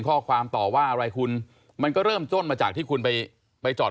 ข้อความต่อว่าอะไรคุณมันก็เริ่มต้นมาจากที่คุณไปไปจอด